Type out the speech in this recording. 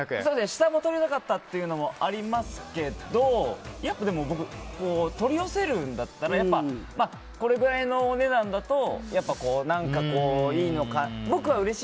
下も取りたかったというのもありますけど僕、取り寄せるんだったらこれぐらいのお値段だといいか。